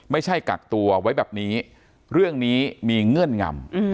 ไม่ใช่กักตัวไว้แบบนี้เรื่องนี้มีเงื่อนงำ